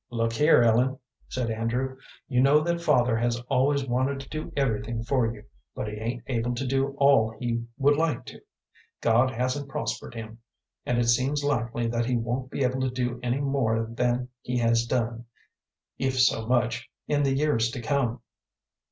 "Look here, Ellen," said Andrew; "you know that father has always wanted to do everything for you, but he ain't able to do all he would like to. God hasn't prospered him, and it seems likely that he won't be able to do any more than he has done, if so much, in the years to come.